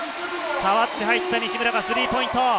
代わって入った西村がスリーポイント。